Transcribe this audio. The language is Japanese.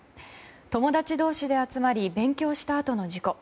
友達同士で集まり勉強したあとの事故。